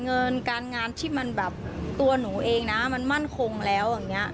เงินการงานที่มันแบบตัวหนูเองนะมันมั่นคงแล้วอย่างนี้